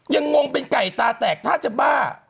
งงเป็นไก่ตาแตกถ้าจะบ้า